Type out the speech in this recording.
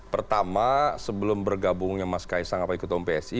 pertama sebelum bergabungnya mas ksang pak ketua umum psi